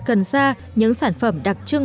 gần xa những sản phẩm đặc trưng